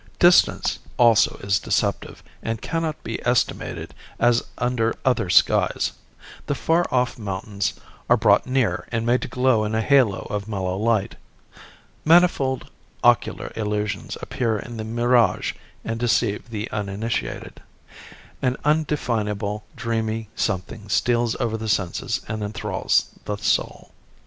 Distance also is deceptive and cannot be estimated as under other skies. The far off mountains are brought near and made to glow in a halo of mellow light. Manifold ocular illusions appear in the mirage and deceive the uninitiated. An indefinable dreamy something steals over the senses and enthralls the soul.